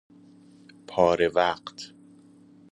پاره وقت